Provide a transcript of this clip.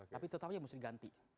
tapi tetapnya mesti diganti